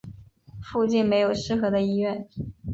附近没有适合的医院